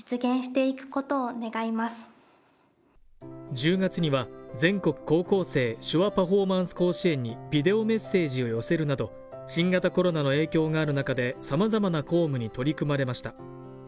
１０月には全国高校生手話パフォーマンス甲子園にビデオメッセージを寄せるなど、新型コロナの影響がある中でさまざまな公務に取り組まれました。